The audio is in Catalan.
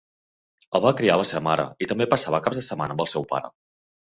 El va criar la seva mare i també passava caps de setmana amb el seu pare.